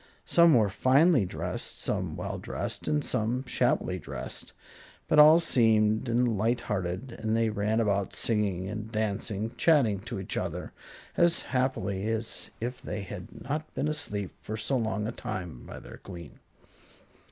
Some were finely dressed, some well dressed and some shabbily dressed; but all seemed and light hearted, and they ran about singing and dancing chatting to each other as happily as if they had not been asleep for so long a time by their Queen.